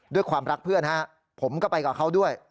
ด้วยความรักเพื่อนผมก็ไปกับเขาด้วย